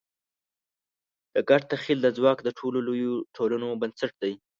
د ګډ تخیل دا ځواک د ټولو لویو ټولنو بنسټ دی.